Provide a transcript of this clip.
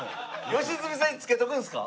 良純さんに付けとくんですか？